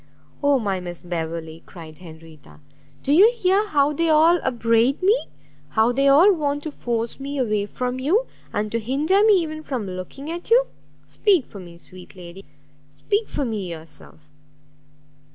"Oh my Miss Beverley!" cried Henrietta, "do you hear how they all upbraid me? how they all want to force me away from you, and to hinder me even from looking at you! Speak for me, sweet lady! speak for me yourself!